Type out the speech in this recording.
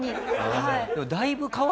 はい。